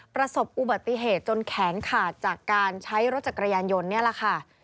ประสบอุบัติเหตุจนแขนขาดจากการใช้รถจักรยานยนต์นี่แหละค่ะ